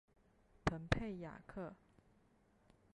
蓬佩雅克。